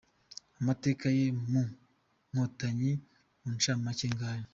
Amateka ye mu nkotanyi muncamake ngayo.